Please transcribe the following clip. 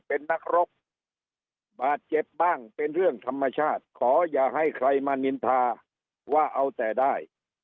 เป็นนักรกบาดเจ็บบ้างเป็นเรื่องธรรมชาติขออย่าให้ใครมานินทาว่าเอาแต่ได้